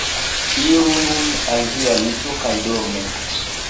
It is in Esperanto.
Iru nun al via lito kaj dormu.